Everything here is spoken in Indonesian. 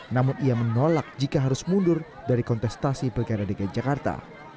namun ia menolak jika harus mundur dari kontestasi pilkada dki jakarta